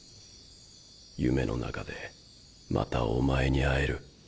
夢の中でまたおまえに会える。